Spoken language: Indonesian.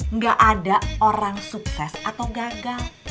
nggak ada orang sukses atau gagal